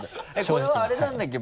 これはあれなんだっけ？